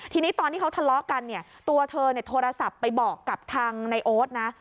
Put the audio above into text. ทีนี้ตอนที่เขาทะเลาะกันเนี่ยตัวเธอโทรศัพท์ไปบอกกับทางในโอ๊ตนะ